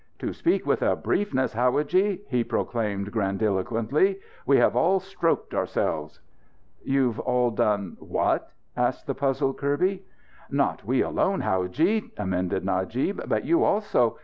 "To speak with a briefness, howadji," he proclaimed grandiloquently. "We have all stroked ourselfs!" "You've all done what?" asked the puzzled Kirby. "Not we alone, howadji," amended Najib, "but you also!